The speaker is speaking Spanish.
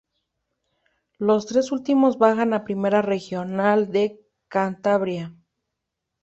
Los tres últimos bajan a Primera Regional de Cantabria.